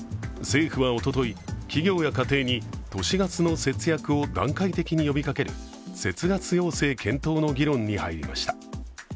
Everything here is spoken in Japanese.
政府はおととい、企業や家庭に都市ガスの節約を段階的に呼びかける節ガス要請検討の議論に入りました。